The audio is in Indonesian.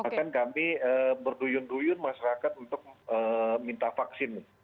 bahkan kami berduyun duyun masyarakat untuk minta vaksin